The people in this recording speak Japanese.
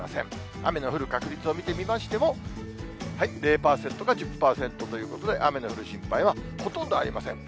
雨の降る確率を見てみましても、０％か１０％ということで、雨の降る心配はほとんどありません。